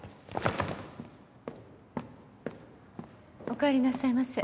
おかえりなさいませ。